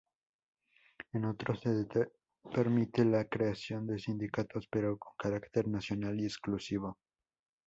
En otros, se permite la creación de sindicatos, pero con carácter nacional y exclusivo.